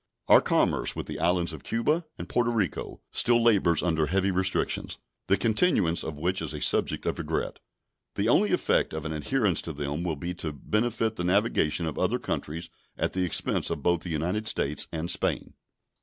Our commerce with the islands of Cuba and Porto Rico still labors under heavy restrictions, the continuance of which is a subject of regret. The only effect of an adherence to them will be to benefit the navigation of other countries at the expense of both the United States and Spain.